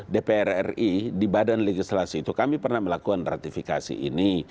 dpr ri di badan legislasi itu kami pernah melakukan ratifikasi ini